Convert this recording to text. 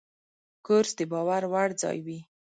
کورس د باور وړ ځای وي.